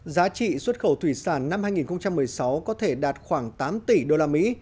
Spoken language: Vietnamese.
giá trị xuất khẩu thủy sản năm hai nghìn một mươi sáu có thể đạt khoảng tám tỷ usd